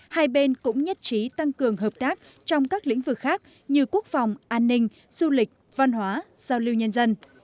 hai bên cũng nhất trí tăng cường hợp tác trong các lĩnh vực khác như quốc phòng an ninh du lịch văn hóa giao lưu nhân dân